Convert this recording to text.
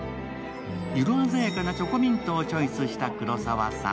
色鮮やかなチョコミントをチョイスした黒沢さん。